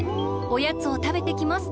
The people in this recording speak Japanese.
おやつをたべてきます。